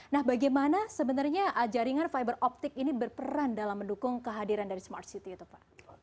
nah bagaimana sebenarnya jaringan fiberoptik ini berperan dalam mendukung kehadiran dari smart city itu pak